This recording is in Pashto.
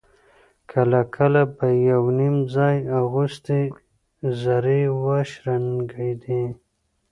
کله کله به يو _نيم ځای اغوستې زرې وشرنګېدې.